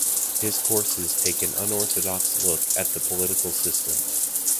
His courses take an unorthodox look at the political system.